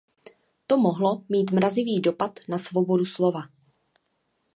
To by mohlo mít mrazivý dopad na svobodu slova.